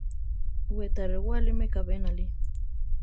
We ta rewáli mekabé náli.